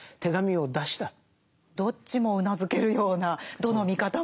どっちもうなずけるようなどの見方も。